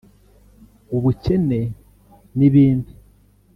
ubukene n’ibindi